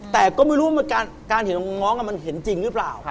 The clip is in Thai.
แต่ก็ไม่รู้ว่าการเห็นน้องมันเห็นจริงหรือเปล่า